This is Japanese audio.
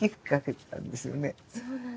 そうなんですね。